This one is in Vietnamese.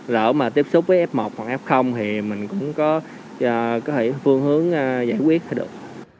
lỡ mà tiếp xúc với f một hoặc f thì mình cũng có thể phương hướng giải quyết được